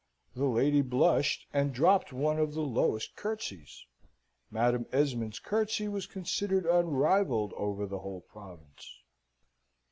The lady blushed, and dropped one of the lowest curtsies. (Madam Esmond's curtsey was considered unrivalled over the whole province.)